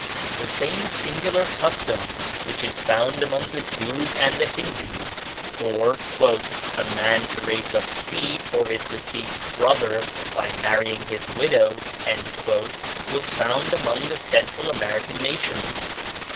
The same singular custom which is found among the Jews and the Hindoos, for "a man to raise up seed for his deceased brother by marrying his widow," was found among the Central American nations.